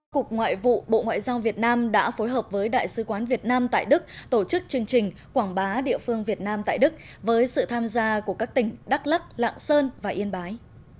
cục ngoại vụ bộ ngoại giao việt nam đã phối hợp với đại sứ quán việt nam tại đức tổ chức chương trình quảng bá địa phương việt nam tại đức với sự tham gia của các tỉnh đắk lắc lạng sơn và yên bái